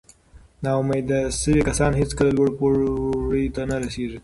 ناامیده شوي کسان هیڅکله لوړو پوړیو ته نه رسېږي.